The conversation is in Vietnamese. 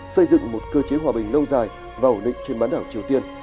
xây dựng một cơ chế hòa bình lâu dài và ổn định trên bán đảo triều tiên